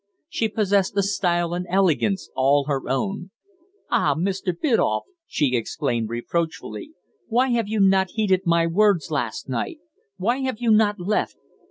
She possessed a style and elegance all her own. "Ah! Mr. Biddulph!" she exclaimed reproachfully. "Why have you not heeded my words last night? Why have you not left?